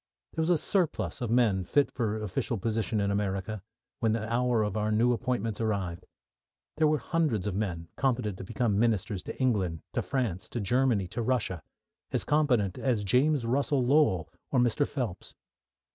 There was a surplus of men fit for official position in America when the hour of our new appointments arrived. There were hundreds of men competent to become ministers to England, to France, to Germany, to Russia; as competent as James Russell Lowell or Mr. Phelps.